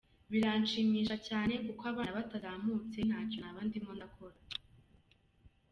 Biranshimisha cyane kuko abana batazamutse ntacyo naba ndimo ndakora.